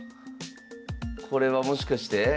これはもしかして？